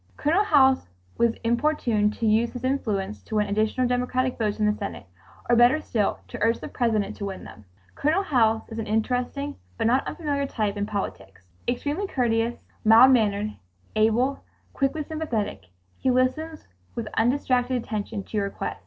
Colonel House was importuned to use his influence to win additional Democratic votes in the Senate, or better still to urge the President to win them. Colonel House is an interesting but not unfamiliar type in politics. Extremely courteous, mild mannered, able, quickly sympathetic, he listens with undistracted attention to your request.